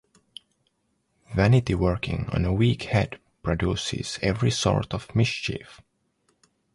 Vanity working on a weak head produces every sort of mischief.